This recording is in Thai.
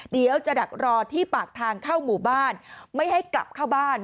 เดี๋ยวจะดักรอที่ปากทางเข้าหมู่บ้านไม่ให้กลับเข้าบ้าน